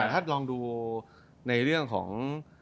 ถ้าลองดูในเรื่องของ